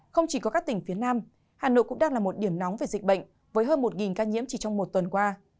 không chỉ có các tỉnh phía nam hà nội cũng đang là một điểm nóng về dịch bệnh với hơn một ca nhiễm chỉ trong một tuần qua